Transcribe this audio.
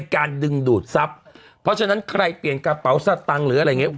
การดึงดูดทรัพย์เพราะฉะนั้นใครเปลี่ยนกระเป๋าสตังค์หรืออะไรอย่างเงี้